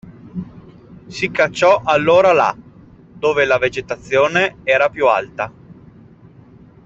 Si cacciò allora là dove la vegetazione era più alta.